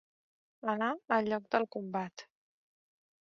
Anar al lloc del combat.